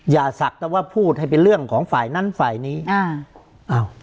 อย่าศักดิ์แต่ว่าพูดให้เป็นเรื่องของฝ่ายนั้นฝ่ายนี้อ่าอ้าว